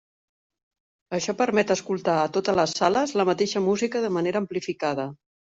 Això permet escoltar a totes les sales la mateixa música de manera amplificada.